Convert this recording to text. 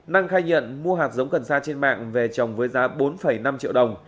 năng khai nhận mua hạt giống cần sa trên mạng về trồng với giá bốn năm triệu đồng